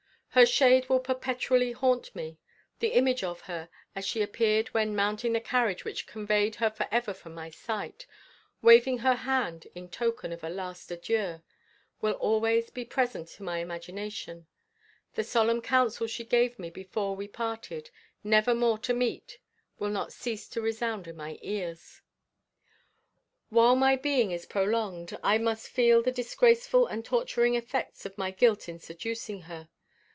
Her shade will perpetually haunt me; the image of her as she appeared when mounting the carriage which conveyed her forever from my sight, waving her hand in token of a last adieu will always be present to my imagination; the solemn counsel she gave me before we parted, never more to meet, will not cease to resound in my ears. While my being is prolonged, I must feel the disgraceful and torturing effects of my guilt in seducing her.